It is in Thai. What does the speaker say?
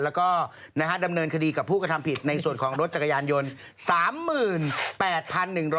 แล้วก็ดำเนินคดีกับผู้กระทำผิดในส่วนของรถจักรยานยนต์